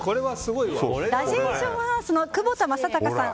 「ラジエーションハウス」の窪田正孝さん